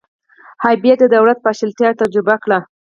هایټي د دولت پاشلتیا تجربه کړې.